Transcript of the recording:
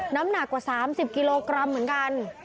น้ำหนักกว่า๓๐กิโลกรัมเหมือนกัน